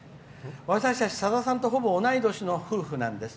私たち、さださんとほぼ同い年の夫婦なんです。